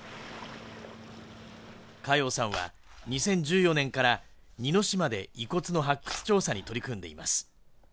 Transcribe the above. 嘉陽さんは２０１４年から似島で遺骨の発掘調査に取り組んでいます。